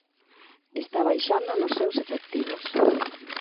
Está baixando nos seus efectivos.